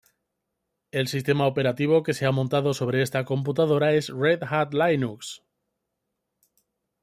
El sistema operativo que se ha montado sobre esta computadora es Red Hat Linux.